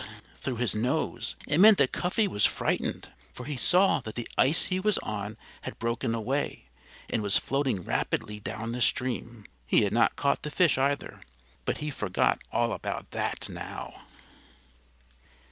"_ through his nose. It meant that Cuffy was frightened. For he saw that the ice he was on had broken away and was floating rapidly down the stream. He had not caught the fish, either. But he forgot all about that now.